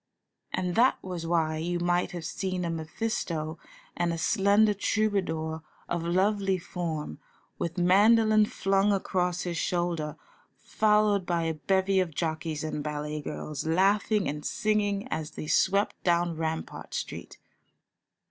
And that was why you might have seen a Mephisto and a slender troubadour of lovely form, with mandolin flung across his shoulder, followed by a bevy of jockeys and ballet girls, laughing and singing as they swept down Rampart Street.